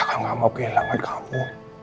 jangan mau kehilangan kamu